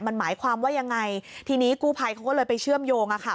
มันหมายความว่ายังไงทีนี้กู้ภัยเขาก็เลยไปเชื่อมโยงอ่ะค่ะ